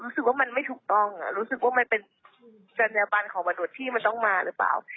รู้สึกว่ามันเป็นจรรยาปันของบรรดุษที่มันต้องมาหรือเปล่า